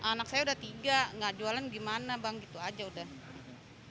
anak saya udah tiga nggak jualan gimana bang gitu aja udah